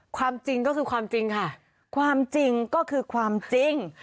ความจริงก็คือความจริงค่ะความจริงก็คือความจริง